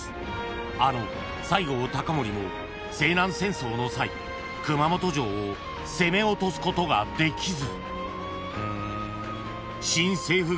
［あの西郷隆盛も西南戦争の際熊本城を攻め落とすことができず］